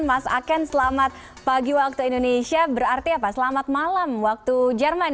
mas aken selamat pagi waktu indonesia berarti apa selamat malam waktu jerman